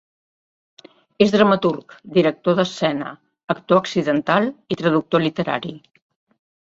És dramaturg, director d'escena, actor accidental i traductor literari.